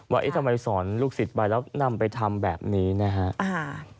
ว่าทำไมสอนลูกสิทธิ์ไปแล้วนำไปทำแบบนี้นะครับ